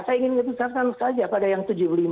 saya ingin menjelaskan saja pada yang tujuh puluh lima